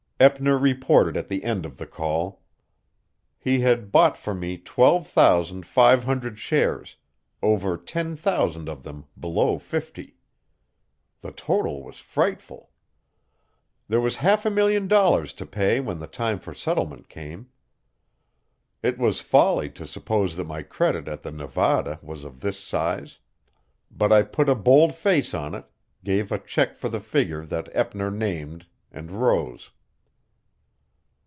Eppner reported at the end of the call. He had bought for me twelve thousand five hundred shares, over ten thousand of them below fifty. The total was frightful. There was half a million dollars to pay when the time for settlement came. It was folly to suppose that my credit at the Nevada was of this size. But I put a bold face on it, gave a check for the figure that Eppner named, and rose.